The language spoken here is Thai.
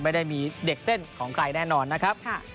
ไม่ได้มีเด็กเส้นของใครแน่นอนนะครับ